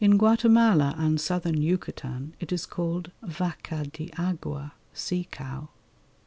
In Guatemala and Southern Yucatan it is called Vaca de Agua (Sea Cow).